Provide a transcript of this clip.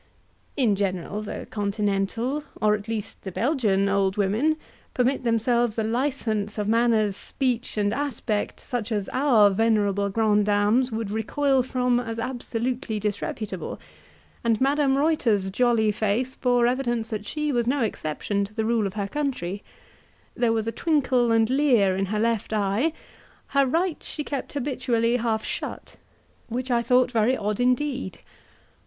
In general the continental, or at least the Belgian old women permit themselves a licence of manners, speech, and aspect, such as our venerable granddames would recoil from as absolutely disreputable, and Madame Reuter's jolly face bore evidence that she was no exception to the rule of her country; there was a twinkle and leer in her left eye; her right she kept habitually half shut, which I thought very odd indeed.